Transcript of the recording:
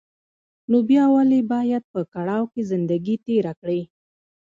نو بيا ولې بايد په کړاوو کې زندګي تېره کړې.